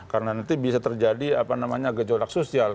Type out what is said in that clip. karena nanti bisa terjadi apa namanya gejolak sosial